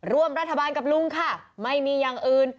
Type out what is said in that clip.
ร่วมรัฐบาลกับลุงค่ะไม่มีอย่างอื่น